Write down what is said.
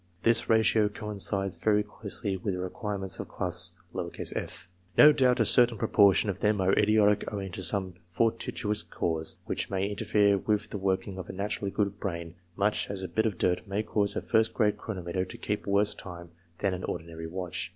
This ratio coincides very closely with the requirements of class f. No doubt a certain pro portion of them are idiotic owing to some fortuitous cause, 32 CLASSIFICATION ACCORDING TO GIFTS which may interfere with the working of a naturally good brain, much as a bit of dirt may cause a first rate chrono meter to keep worse time than an ordinary watch.